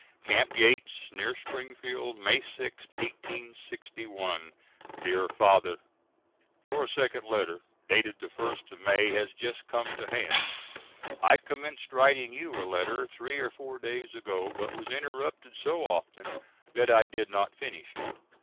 ] Camp Yates, near Springfield, May 6th, 1861. DEAR FATHER: Your second letter, dated the first of May has just come to hand. I commenced writing you a letter three or four days ago but was interrupted so often that I did not finish it.